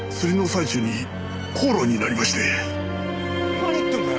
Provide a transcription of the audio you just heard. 何言ってんだよ？